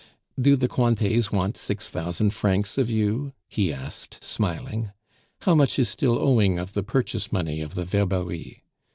"Do the Cointets want six thousand francs of you?" he asked, smiling. "How much is still owing of the purchase money of the Verberie?"